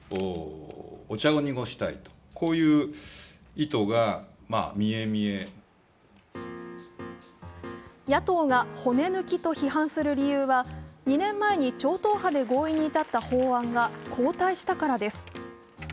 野党からは野党が骨抜きと批判する理由は２年前に超党派で合意に至った法案が後退したからです。